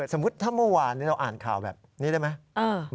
สมมุติถ้าเมื่อวานนี้เราอ่านข่าวแบบนี้ได้ไหม